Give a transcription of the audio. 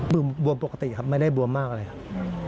บวมปกติครับไม่ได้บวมมากเลยครับ